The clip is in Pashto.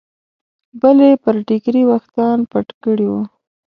بلې پر ټیکري ویښتان پټ کړي وو.